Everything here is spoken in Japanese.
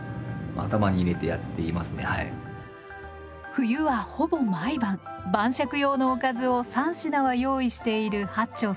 冬はほぼ毎晩晩酌用のおかずを３品は用意している八町さん。